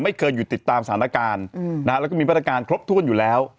ไม่เคยหยุดติดตามสถานการณ์อืมนะฮะแล้วก็มีพันธการคลบทวนอยู่แล้ว